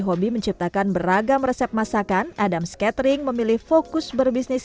hobi menciptakan beragam resep masakan adams catering memilih fokus berbisnis